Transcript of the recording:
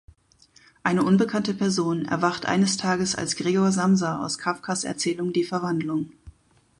Eine unbekannte Person erwacht eines Tages als Gregor Samsa aus Kafkas Erzählung "Die Verwandlung".